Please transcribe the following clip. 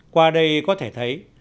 qua đây có thể thấy